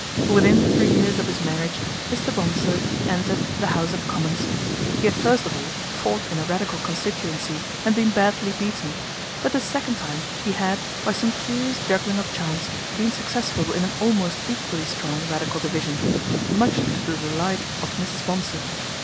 Within three years of his marriage, Mr. Bonsoi entered the House of Commons. He had first of all fought in a Radical constituency and been badly beaten , but the second time he had, by some curious juggling of chance, been successful in an almost equally strong Radical division, much to the delight of Mrs. Bonsor.